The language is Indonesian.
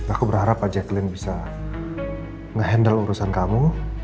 aku berharap aja jacqueline bisa ngehandle urusan kamu